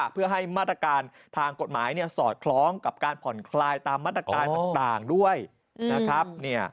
เพื่อให้มาตรการทางกฎหมายสอดคล้องกับการผ่อนคลายตามมาตรการต่างด้วยนะครับ